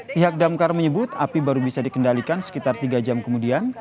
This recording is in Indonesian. pihak damkar menyebut api baru bisa dikendalikan sekitar tiga jam kemudian